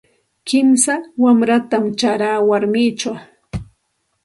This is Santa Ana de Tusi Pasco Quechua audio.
Kimsa wanratam charaa warmichaw.